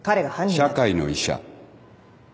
社会の医者。